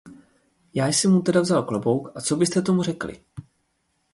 Já jsem mu teda vzal klobouk, a co byste tomu řekli!